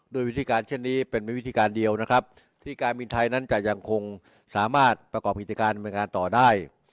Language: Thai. โดยวิธีการเช่นนี้เป็นวิธีการเดียวนะครับที่การบินไทยนั้นจะยังคงสามารถประกอบกิจการดำเนินการต่อได้